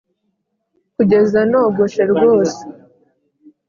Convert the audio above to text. kugeza nogoshe rwose,